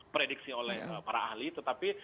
prediksi oleh para ahli tetapi